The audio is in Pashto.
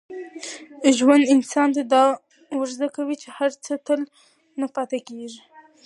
ژوند انسان ته دا ور زده کوي چي هر څه تل نه پاتې کېږي.